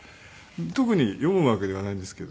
特に読むわけではないんですけど。